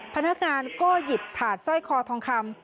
พนักงานก็หยิบถาดสร้อยคอทองคำ